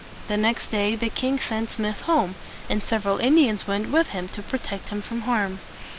The next day the king sent Smith home; and several Indians went with him to protect him from harm.